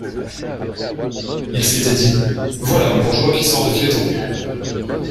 Il s’était dit : voilà un bourgeois qui sort de Feydeau…